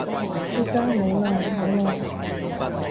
而家冇嘞冇嘞